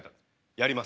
やります？